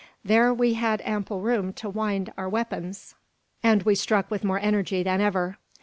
There we had ample room to wind our weapons, and we struck with more energy than ever.